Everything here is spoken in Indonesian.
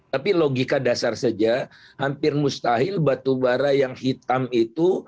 tapi logika dasar saja hampir mustahil batubara yang hitam itu